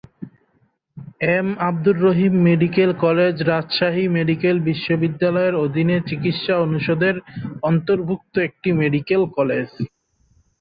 M Abdur Rahim medical college Rajshahi medical বিশ্ববিদ্যালয়ের অধীনে চিকিৎসা অনুষদের অন্তর্ভুক্ত একটি মেডিকেল কলেজ।